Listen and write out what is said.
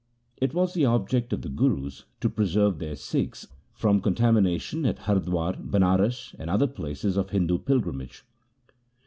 It was the object of the Gurus to pre serve their Sikhs from contamination at Hardwar, Banaras, and other places of Hindu pilgrimage.